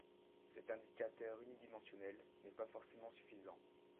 Cet indicateur unidimensionnel n'est pas forcément suffisant.